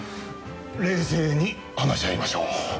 冷静に話し合いましょう。